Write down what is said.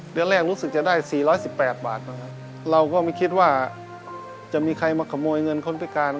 เดือนแรกรู้สึกจะได้๔๑๘บาทบ้างครับเราก็ไม่คิดว่าจะมีใครมาขโมยเงินคนพิการ